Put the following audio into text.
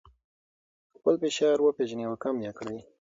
خپل فشار وپیژنئ او کم یې کړئ.